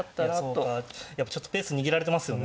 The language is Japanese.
いやそうかやっぱちょっとペース握られてますよね